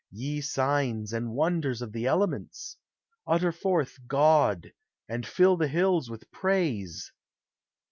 Ye signs and wonders of the elements ! Utter forth God, and fill the hills with praise!